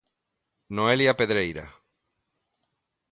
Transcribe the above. Noelia Pedreira.